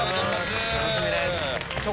楽しみです！